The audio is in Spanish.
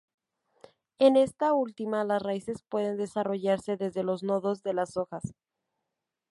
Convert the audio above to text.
En esta última, las raíces pueden desarrollarse desde los nodos de las hojas.